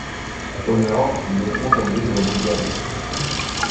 Au nord, il est frontalier de la Bulgarie.